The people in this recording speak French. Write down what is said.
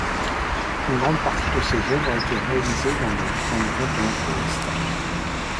Une grande partie de ses œuvres a été réalisée dans les Cantons-de-l'Est.